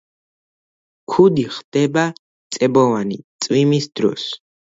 ქუდი ხდება წებოვანი წვიმის დროს.